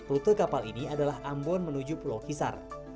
rute kapal ini adalah ambon menuju pulau kisar